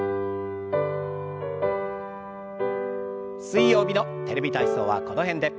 水曜日の「テレビ体操」はこの辺で。